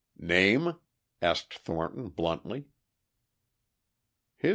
"Name?" asked Thornton bluntly.